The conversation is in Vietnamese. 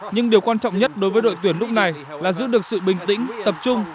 nhưng điều quan trọng nhất đối với đội tuyển lúc này là giữ được sự bình tĩnh tập trung